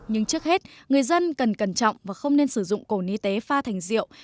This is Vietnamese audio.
nhưng trước hết người dân cần cẩn trọng và không nên sử dụng cổ y tế pha thành rượu